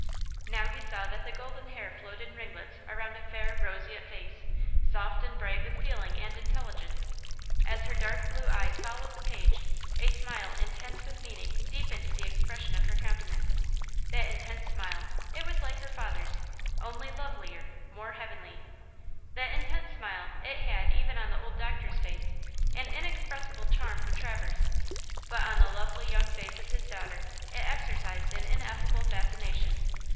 Now he saw that the golden hair flowed in ringlets around a fair, roseate face, soft and bright with feeling and intelligence. As her dark blue eyes followed the page, a smile intense with meaning deepened the expression of her countenance. That intense smile–it was like her father's, only lovelier–more heavenly. That intense smile–it had, even on the old doctor's face, an inexpressible charm for Traverse–but on the lovely young face of his daughter it exercised an ineffable fascination.